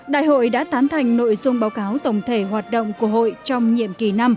đại hội đã tán thành nội dung báo cáo tổng thể hoạt động của hội trong nhiệm kỳ năm